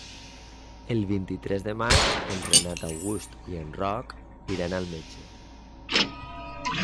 El vint-i-tres de maig en Renat August i en Roc iran al metge.